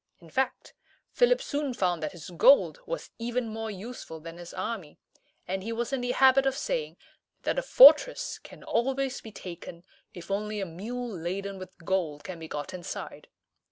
In fact, Philip soon found that his gold was even more useful than his army, and he was in the habit of saying that "a fortress can always be taken if only a mule laden with gold can be got inside."